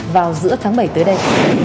vào giữa tháng bảy tới đây